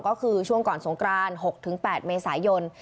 ก็คือช่วงก่อนสงกราน๖๘เมษายน